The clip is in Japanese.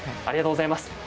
ありがとうございます。